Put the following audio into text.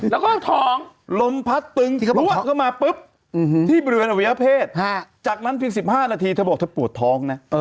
แล้วก็ท้องลมพัดตึงปวดเข้ามาปุ๊บที่บริเวณอวัยวเพศจากนั้นเพียง๑๕นาทีเธอบอกเธอปวดท้องนะ